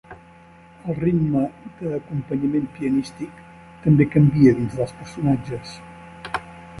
El ritme de l'acompanyament pianístic també canvia dins dels personatges.